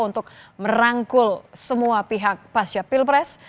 untuk merangkul semua pihak pasca pilpres